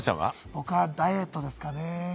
僕はダイエットですかね。